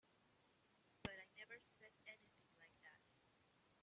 But I never said anything like that.